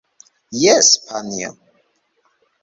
Jes, panjo.